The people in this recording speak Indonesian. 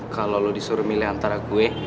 kalau lo disuruh milih antara gue